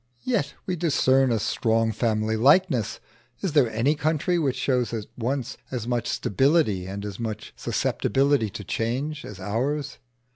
Yet we discern a strong family likeness. Is there any country which shows at once as much stability and as much susceptibility to change as ours?